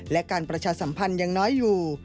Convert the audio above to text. และการประชาสัมพันธ์ยังน้อยอยู่